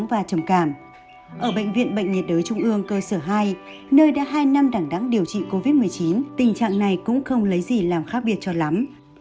theo bác sĩ nguyễn trung câm bệnh viện bệnh nhiệt đới trung ương cơ sở hai nơi đã hai năm đẳng đẳng điều trị covid một mươi chín tình trạng này cũng không lấy gì làm khác biệt cho lắm